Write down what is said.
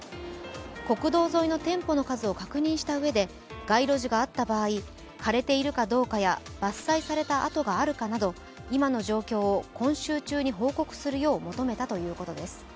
国道沿いの店舗の数を確認したうえで街路樹があった場合枯れているかどうかや伐採された跡があるかなど今の状況を今週中に報告するよう求めたということです。